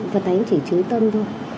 phật thánh chỉ trứng tâm thôi